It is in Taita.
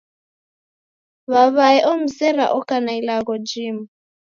W'aw'ae omzera oko na ilagho jimu!